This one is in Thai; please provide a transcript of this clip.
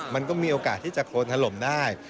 มันก็มีโอกาสที่จะโครนถล่มได้